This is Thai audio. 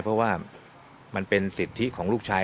เพราะว่ามันเป็นสิทธิของลูกชาย